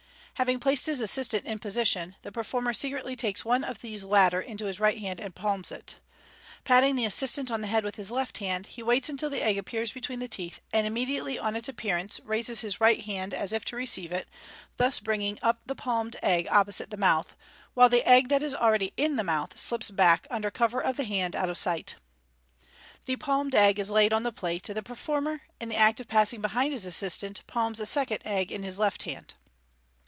Having placed his assistant in position, the performer secretly takes one of these latter into his right hand, and palms it. Patting the assistant on the head with his left hand, he waits until the egg appears between the teeth, and immediately on its appearance, raises his right hand as if to receive it, thus bringing up the palmed egg opposite the mouth, while the egg that is already in the mouth slips back, under cover of the hand, out of sight. The palmed egg is laid on the plate, and the performer, m the act of passing behind his assistant, palms a second egg in his left hand.